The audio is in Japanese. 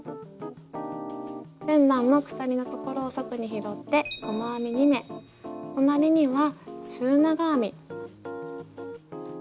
前段の鎖のところを束に拾って細編み２目隣には中長編み。